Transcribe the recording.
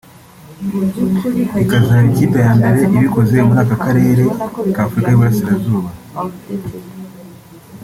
ikaba izaba ikipe ya mbere ibikoze muri aka karere k ’Afurika y’Iburasirazuba